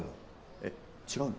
えっ違うの？